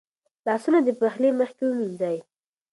لاسونه د پخلي مخکې ومینځئ.